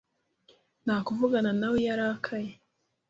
Nta kuvugana nawe iyo arakaye